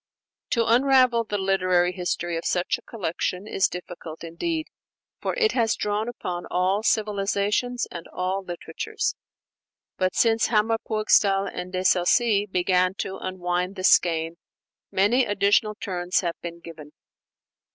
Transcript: To unravel the literary history of such a collection is difficult indeed, for it has drawn upon all civilizations and all literatures. But since Hammer Purgstall and De Sacy began to unwind the skein, many additional turns have been given.